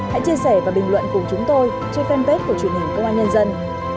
hãy chia sẻ và bình luận cùng chúng tôi trên fanpage của truyền hình công an nhân dân